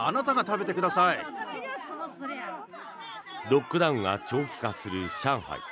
ロックダウンが長期化する上海。